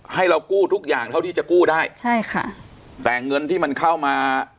ให้เรากู้ทุกอย่างเท่าที่จะกู้ได้ใช่ค่ะแต่เงินที่มันเข้ามา